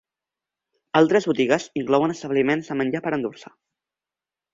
Altres botigues inclouen establiments de menjar per endur-se.